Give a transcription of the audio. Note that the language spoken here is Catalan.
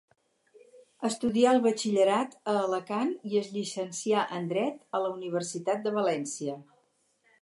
Estudià el batxillerat a Alacant i es llicencià en dret a la Universitat de València.